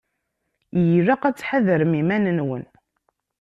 Ilaq ad tḥadrem iman-nwen.